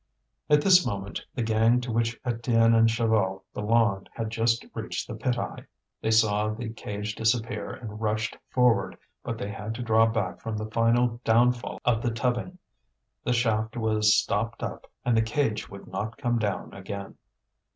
At this moment the gang to which Étienne and Chaval belonged had just reached the pit eye. They saw the cage disappear and rushed forward, but they had to draw back from the final downfall of the tubbing; the shaft was stopped up and the cage would not come down again.